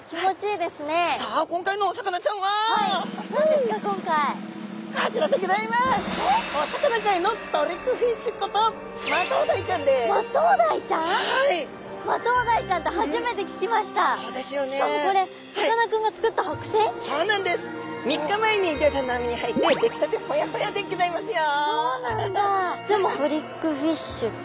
でもトリックフィッシュって。